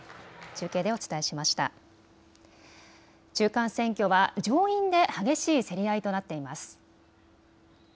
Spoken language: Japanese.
中間選挙は上院で激しい競り合いとなっています。